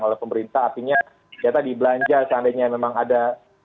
oleh pemerintah artinya ternyata di belanja seandainya memang ada